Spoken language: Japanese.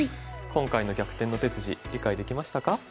今回の「逆転の手筋」理解できましたか？